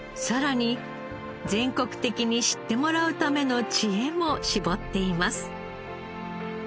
さらに全国的に知ってもらうための知恵も絞っています。